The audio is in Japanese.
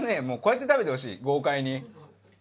もうこうやって食べてほしい豪快に。